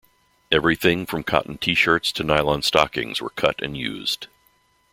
Everything from cotton T-shirts to nylon stockings were cut and used.